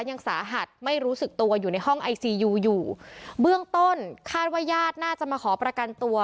ยังสาหัสไม่รู้สึกตัวอยู่ในห้องไอซียูอยู่เบื้องต้นคาดว่าญาติน่าจะมาขอประกันตัว